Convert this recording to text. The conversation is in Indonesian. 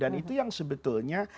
dan itu yang sebetulnya